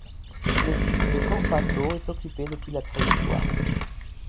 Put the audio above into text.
Le site de Corpataux est occupé depuis la préhistoire.